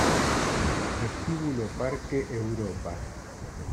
Vestíbulo Parque Europa